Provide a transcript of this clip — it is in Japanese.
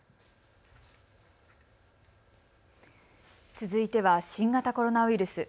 続いては新型コロナウイルス。